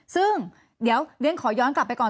ซึ่งเดี๋ยวเรียนขอย้อนกลับไปก่อน